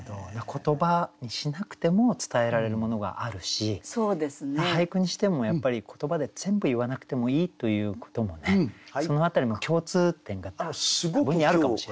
言葉にしなくても伝えられるものがあるし俳句にしてもやっぱり言葉で全部言わなくてもいいということもねその辺りも共通点が多分にあるかもしれない。